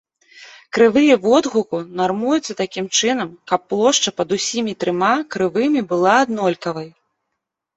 Крывыя водгуку нармуюцца такім чынам, каб плошча пад усімі трыма крывымі была аднолькавай.